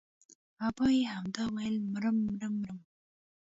ابا يې همدا ويل مرم مرم مرم.